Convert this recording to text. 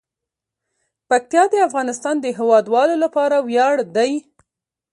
پکتیا د افغانستان د هیوادوالو لپاره ویاړ دی.